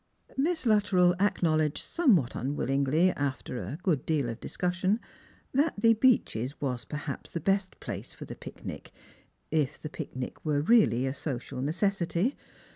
35 Miss Luttrell acknowledged somewhat unwillingly, after a good deal of discussion, that the Beeches was perhaps the best place for the picnic, if the picnic were really a social necessity.